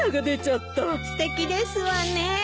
すてきですわね。